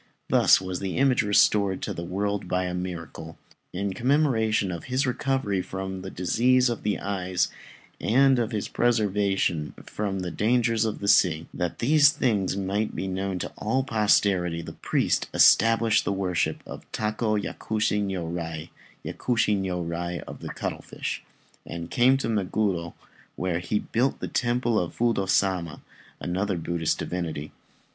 Thus was the image restored to the world by a miracle. In commemoration of his recovery from the disease of the eyes and of his preservation from the dangers of the sea, that these things might be known to all posterity, the priest established the worship of Tako Yakushi Niurai ("Yakushi Niurai of the Cuttlefish") and came to Meguro, where he built the Temple of Fudô Sama, another Buddhist divinity.